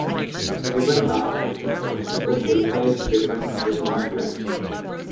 The ribbon bar consists of a strip of full-sized ribbon with no emblem.